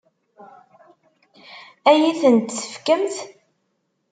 Ad iyi-tent-tefkemt?